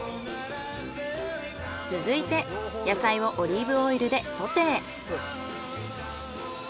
続いて野菜をオリーブオイルでソテー。